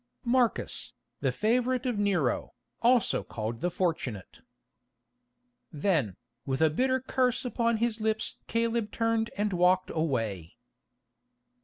"Marcus, the favourite of Nero, also called the Fortunate." Then, with a bitter curse upon his lips Caleb turned and walked away.